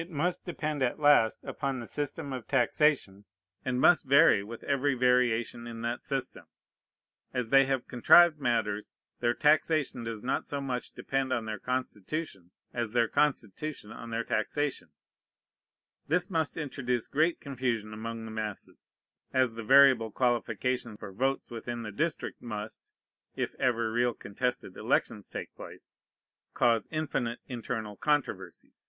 It must depend at last upon the system of taxation, and must vary with every variation in that system. As they have contrived matters, their taxation does not so much depend on their constitution as their constitution on their taxation. This must introduce great confusion among the masses; as the variable qualification for votes within the district must, if ever real contested elections take place, cause infinite internal controversies.